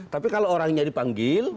tapi kalau orangnya dipanggil